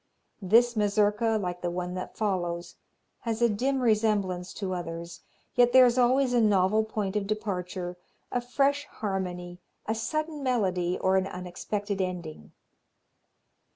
This Mazurka, like the one that follows, has a dim resemblance to others, yet there is always a novel point of departure, a fresh harmony, a sudden melody or an unexpected ending.